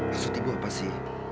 maksud ibu apa sih